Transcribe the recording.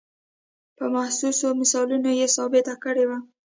په محسوسو مثالونو یې ثابته کړې وه.